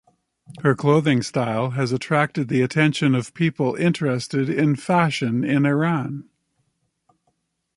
Her clothing style has attracted the attention of people interested in fashion in Iran.